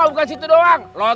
sebuah du toggle